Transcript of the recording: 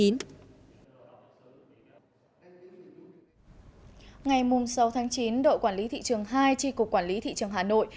ngày sáu chín đội quản lý thị trường hai tri cục quản lý thị trường hà nội